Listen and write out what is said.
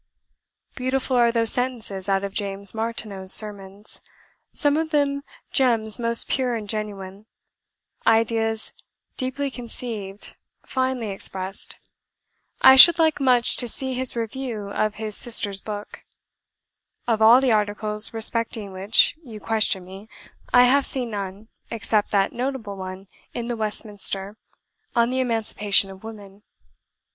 Beautiful are those sentences out of James Martineau's sermons; some of them gems most pure and genuine; ideas deeply conceived, finely expressed. I should like much to see his review of his sister's book. Of all the articles respecting which you question me, I have seen none, except that notable one in the 'Westminster' on the Emancipation of Women.